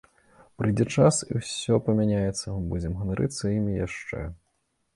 Прыйдзе час і ўсё памяняецца, мы будзем ганарыцца імі яшчэ.